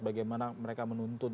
bagaimana mereka menuntun